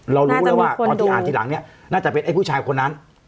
รู้แล้วว่าตอนที่อ่านทีหลังเนี่ยน่าจะเป็นไอ้ผู้ชายคนนั้น